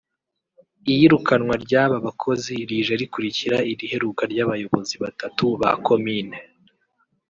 Iyirukanwa ry’aba bakozi rije rikurikira iriheruka ry’abayobozi batatu ba Komine